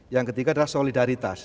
yang ketiga adalah solidaritas